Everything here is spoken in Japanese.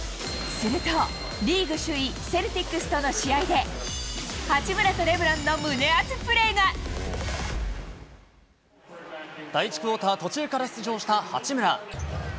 すると、リーグ首位、セルティックスとの試合で、第１クオーター途中から出場した八村。